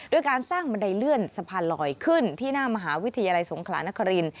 การสร้างบันไดเลื่อนสะพานลอยขึ้นที่หน้ามหาวิทยาลัยสงขลานคริน